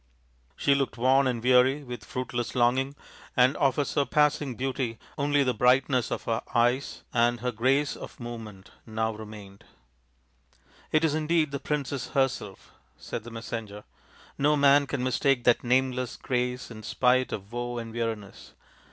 She looked worn and weary with fruitless longing, and of her surpassing beauty only the brightness of her eyes and her grace of movement now remained. " It is indeed the princess herself/' said the messenger. " No man can mistake that nameless grace in spite of woe and weariness.